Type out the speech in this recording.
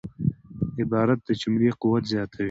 عبارت د جملې قوت زیاتوي.